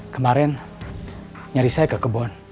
kemarin nyari saya ke kebon